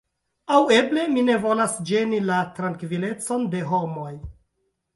Aŭ eble, mi ne volas ĝeni la trankvilecon de homoj.